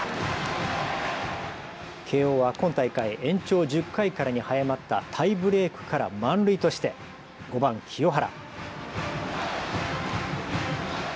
慶応は今大会、延長１０回からに早まったタイブレークから満塁として５番・清原。